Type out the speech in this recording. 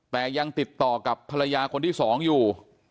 แต่ยังติดต่อกับภรรยาคนที่๒อยู่